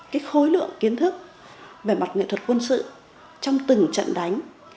cái khối lượng kiến thức về mặt nghệ thuật quân sự trong từng trận đánh